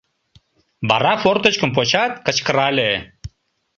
Вара форточкым почат, кычкырале: